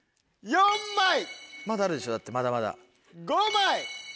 まだあるでしょだってまだまだ。